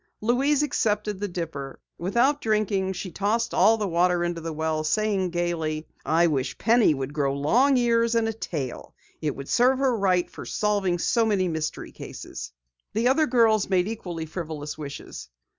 Louise accepted the dipper. Without drinking, she tossed all the water into the well, saying gaily: "I wish Penny would grow long ears and a tail! It would serve her right for solving so many mystery cases!" The other girls made equally frivolous wishes.